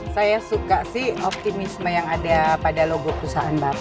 saya suka sih optimisme yang ada pada logo perusahaan bapak